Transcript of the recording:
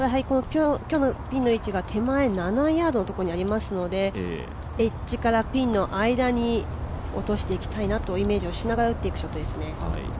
今日のピンの位置が手前７ヤードのところにありますので、エッジからピンの間に落としていきたいなというイメージをしながら売っていくショットですね。